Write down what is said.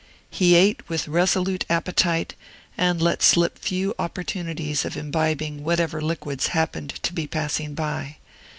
He ate with resolute appetite, and let slip few opportunities of imbibing whatever liquids happened to be passing by.